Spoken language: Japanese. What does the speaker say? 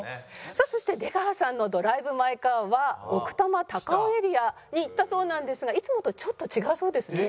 そして出川さんのドライブ・マイ・カーは奥多摩・高尾エリアに行ったそうなんですがいつもとちょっと違うそうですね。